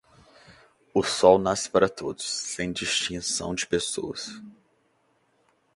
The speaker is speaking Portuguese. O Sol nasce para todos, sem distinção de pessoas.